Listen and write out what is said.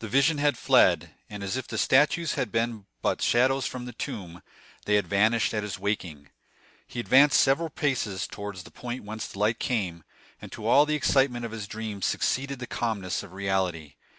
The vision had fled; and as if the statues had been but shadows from the tomb, they had vanished at his waking. He advanced several paces towards the point whence the light came, and to all the excitement of his dream succeeded the calmness of reality.